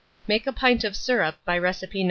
Make a pint of syrup by recipe No.